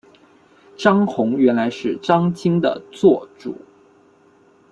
张宏原来是张鲸的座主。